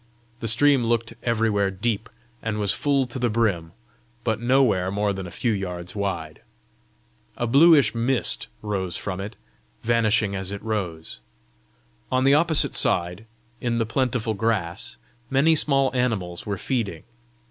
The stream looked everywhere deep, and was full to the brim, but nowhere more than a few yards wide. A bluish mist rose from it, vanishing as it rose. On the opposite side, in the plentiful grass, many small animals were feeding.